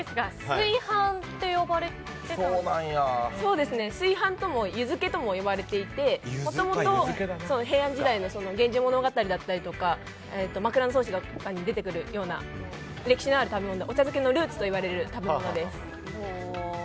水飯ともすいはんとも、みずけともいわれていてもともと平安時代の源氏物語だったり枕草子などに出てくるような歴史のある食べ物でお茶漬けのルーツといわれる食べ物です。